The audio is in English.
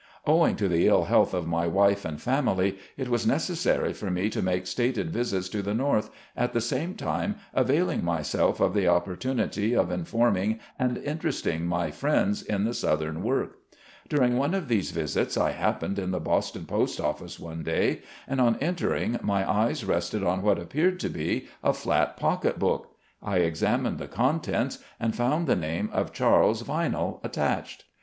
Owing to the ill health of my wife and family, it was necessary for me to make stated visits to the North, at the same time availing myself of the opportunity of informing and interesting my friends. in the southern work. During one of these visits I happened in the Boston Post Office one day, and on entering, my eyes rested on what appeared to be a flat pocket book ; I examined the contents and found the name of Charles Vinell attached.